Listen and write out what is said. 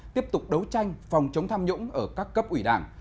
tiếp tục đấu tranh phòng chống tham nhũng ở các cấp ủy đảng